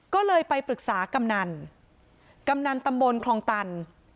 ก็เลยไปปรึกษากำนันกำนันตำบลคลองตัน